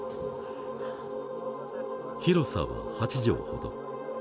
広さは８畳ほど。